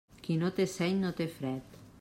Qui no té seny, no té fred.